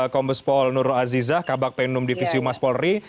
kompes pol nur azizah kabak penum divisi umas polri